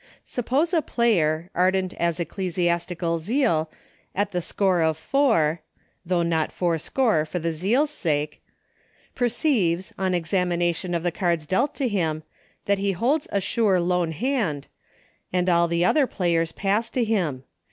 Suppose a player, ardent as ecclesiastical zeal, at the score of four — though not four score, for the zeal's sake — perceives, on examination of the cards dealt to him, that he holds a sure lone hand, and all the other players pass to him.